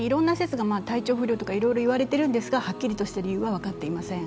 体調不良とかいろいろ言われているんですがはっきりとした理由は分かっていません。